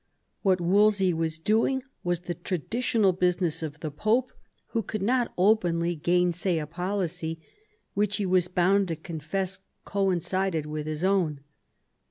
What Wolsey was doing was the traditional business of the Pope, who could not openly gainsay a policy which he was bound to profess coincided with his own.